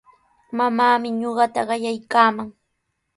Mamaami ñuqata qayaykaaman.